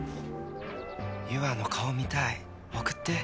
「ゆあの顔見たい送って」。